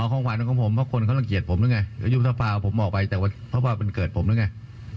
อ๋อของขวัญของผมเพราะคนเขาลังเกียจผมหรือไงยุบสภาพออกไปเพราะว่าเป็นเกิดผมหรือไง